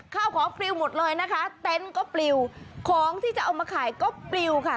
ข้าวของปลิวหมดเลยนะคะเต็นต์ก็ปลิวของที่จะเอามาขายก็ปลิวค่ะ